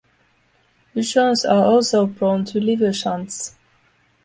Bichons are also prone to liver shunts.